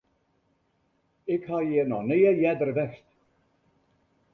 Ik ha hjir noch nea earder west.